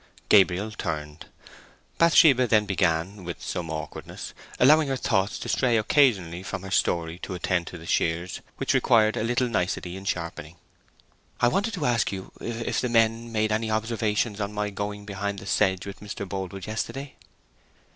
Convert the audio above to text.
Gabriel turned. Bathsheba then began, with some awkwardness, allowing her thoughts to stray occasionally from her story to attend to the shears, which required a little nicety in sharpening. "I wanted to ask you if the men made any observations on my going behind the sedge with Mr. Boldwood yesterday?"